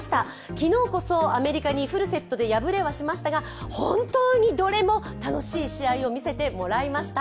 昨日こそアメリカにフルセットで破れはしましたが、本当にどれも楽しい試合を見せてもらいました。